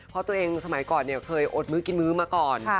เพราะตัวเองสมัยก่อนเคยอดมื้อกินมื้อมาก่อน